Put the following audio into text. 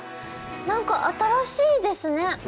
なんか、新しいですね。